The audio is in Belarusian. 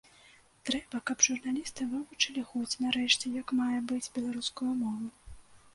Трэба, каб журналісты вывучылі хоць, нарэшце, як мае быць беларускую мову.